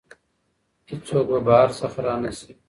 هیڅوک به بهر څخه را نه شي.